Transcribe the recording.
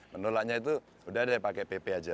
menolaknya itu sudah ada yang pakai pp saja